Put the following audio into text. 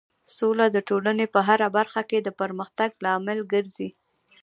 سوله د ټولنې په هر برخه کې د پرمختګ لامل ګرځي.